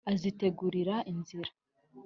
azitegurira inzira.